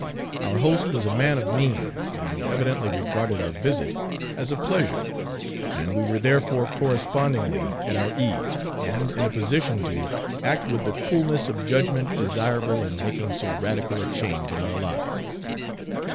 Our host was a man of means and evidently regarded our visit as a pleasure, and we were therefore correspondingly at our ease, and in a position to act with the coolness of judgment desirable in making so radical a change in our lives.